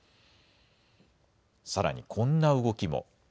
さらにこんな動きも。